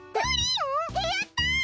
やった！